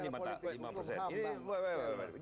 kita bisa politik untuk mengambang